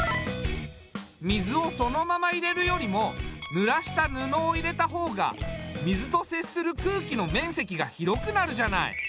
水をそのまま入れるよりもぬらした布を入れた方が水と接する空気の面積が広くなるじゃない。